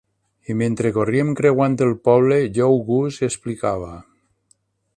I mentre corríem creuant el poble, Joe Goose explicava.